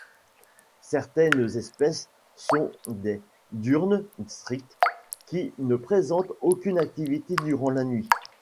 Certaines espèces sont des diurnes stricts, qui ne présentent aucune activité durant la nuit.